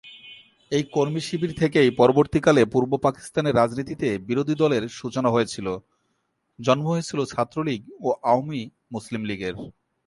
এই কর্মী শিবির থেকেই পরবর্তীকালে পূর্ব পাকিস্তানের রাজনীতিতে বিরোধী দলের সূচনা হয়েছিল, জন্ম হয়েছিল ‘ছাত্রলীগ’ ও ‘আওয়ামী মুসলিম লীগের’।